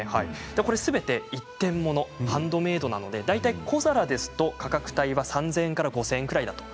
これ、すべて一点物ハンドメードなので大体、小皿ですと価格帯は３０００円から５０００円くらいだと。